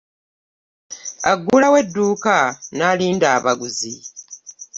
Agulawo edduuka nalinda abaguzi.